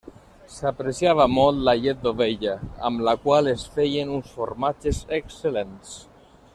S'apreciava molt la llet d'ovella, amb la qual es feien uns formatges excel·lents.